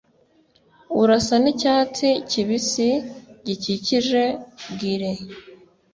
Urasa n'icyatsi kibisi gikikije gilles.